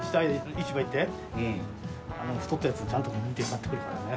市場行って太ったやつちゃんと見て買ってくるからね。